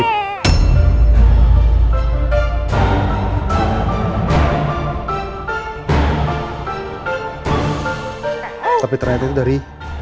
tapi ternyata itu dari